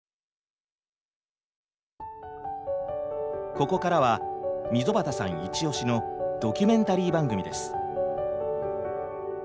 ここからは溝端さんイチオシのドキュメンタリー番組です。